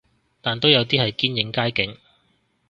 但都有啲係堅影街景